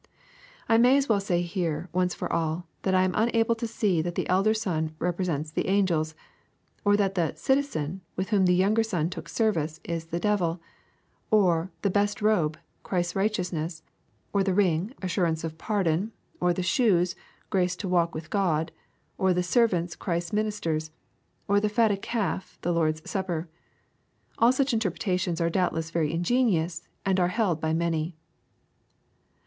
I may as well say here, once for all, tliat I am unable to see that the elder son represents the angels, — or that the " citizen,'* with whom the younger son took service, is the devil, — or the best robe, Christ's righteousness, — or the ring, assurance of pardon, — or the shoes, grace to walk with Grod, — or the servants, Christ's ministers, — or the fatted calf, the Lord's Supper. All such intc^rpretations are doubtless very ingenious, and are held by maay.